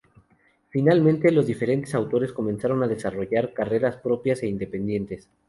Finalmente, los diferentes autores comenzaron a desarrollar carreras propias e independientes.